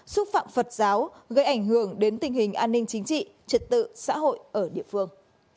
xúc phạm phật giáo gây ảnh hưởng đến tình hình an ninh chính trị trật tự xã hội ở địa phương